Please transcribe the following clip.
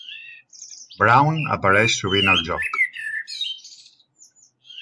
Brown apareix sovint al joc.